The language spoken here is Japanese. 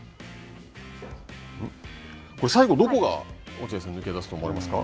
最後、どこが落合さん、抜け出すと思われますか。